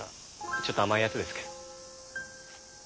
ちょっと甘いヤツですけど。